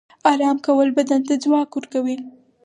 آرام کول بدن ته ځواک ورکوي